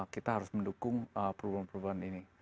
kita harus mendukung perubahan perubahan ini